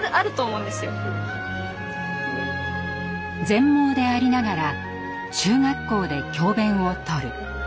全盲でありながら中学校で教べんをとる。